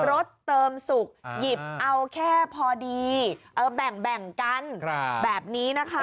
รถเติมสุกหยิบเอาแค่พอดีแบ่งกันแบบนี้นะคะ